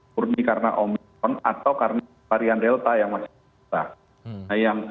murni karena omikron atau karena varian delta yang masih rendah